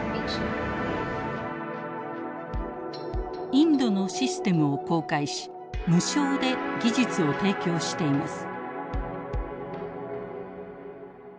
インドのシステムを公開し無償で技術を提供しています。